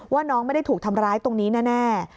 ว่าน้องไม่ได้ถูกทำร้ายตรงนี้แน่